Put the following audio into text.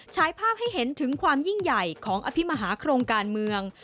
ฉายภาพให้เห็นถึงความยิ่งใหญ่ของอภิมหาโครงการเมือง